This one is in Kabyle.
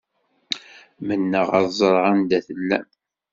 Mennaɣ ad ẓreɣ anda tella-m.